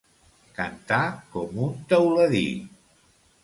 Cantar com un teuladí.